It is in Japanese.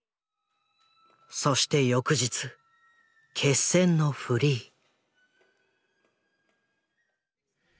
そして翌日決戦のフリー。